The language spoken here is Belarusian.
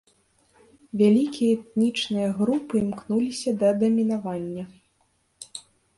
Вялікія этнічныя групы імкнуліся да дамінавання.